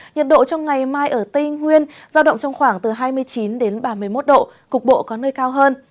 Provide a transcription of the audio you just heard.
nhiệt độ trong ngày mai ở tây nguyên giao động trong khoảng từ hai mươi chín đến ba mươi một độ cục bộ có nơi cao hơn